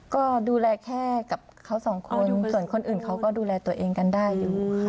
ก็ดูแลแค่กับเขาสองคนส่วนคนอื่นเขาก็ดูแลตัวเองกันได้อยู่ค่ะ